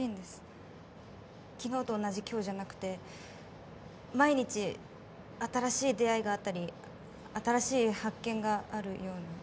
昨日と同じ今日じゃなくて毎日新しい出会いがあったり新しい発見があるような。